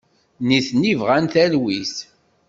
Nitni bɣan talwit.